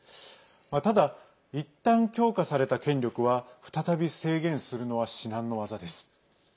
ただ、いったん強化された権力は再び制限するのは至難の業です。